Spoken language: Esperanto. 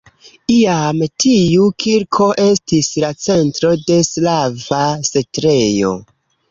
Iam tiu kirko estis la centro de slava setlejo.